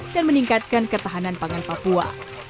dan meningkatkan ketahanan pangan papua